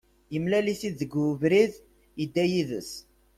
Yemlal-itt-id deg ubrid, yedda yid-s.